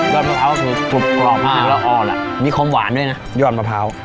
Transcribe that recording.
ยอดประเภาคือกรอบมากแล้วอ่อแหละมีคมหวานด้วยนะยอดประเภา